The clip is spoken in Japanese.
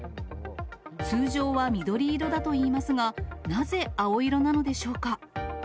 通常は緑色だといいますが、なぜ青色なのでしょうか。